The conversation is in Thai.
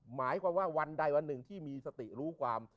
หมายความว่าวันใดวันหนึ่งที่มีสติรู้ความ